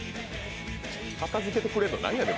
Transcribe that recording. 片づけてくれるの、何やねん。